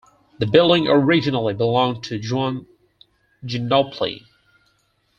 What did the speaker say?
The building originally belonged to Juan Genoply.